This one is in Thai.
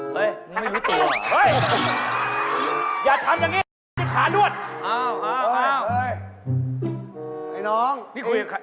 เฮ่ยไปดูตัว